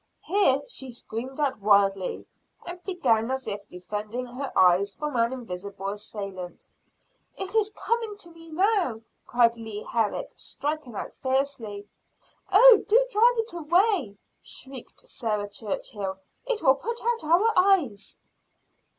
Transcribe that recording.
Here she screamed out wildly, and began as if defending her eyes from an invisible assailant. "It is coming to me now," cried Leah Herrick, striking out fiercely. "Oh, do drive it away!" shrieked Sarah Churchill, "it will put out our eyes."